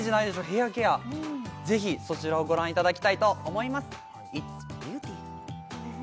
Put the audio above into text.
ヘアケアぜひそちらをご覧いただきたいと思いますＩｔ